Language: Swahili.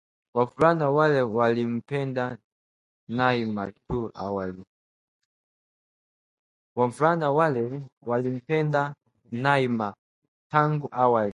Wavulana wale walimpenda Naima tangu awali